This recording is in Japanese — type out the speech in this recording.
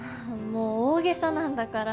もう大げさなんだから。